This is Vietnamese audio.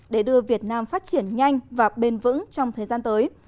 để đưa việt nam phát triển nhanh và bền vững trong thời gian tới